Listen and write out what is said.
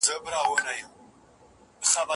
ولاړل د فتح سره برېتونه د شپېلیو